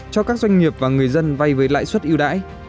cho các doanh nghiệp và người dân vay với lãi suất yêu đãi